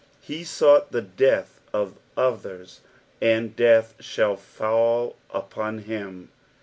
He sought the death of others and death shall fall upon him.